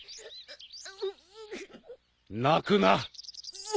泣くな。